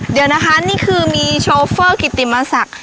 เดี๋ยวนะคะนี่คือมีชอเฟอร์กิติมาสัก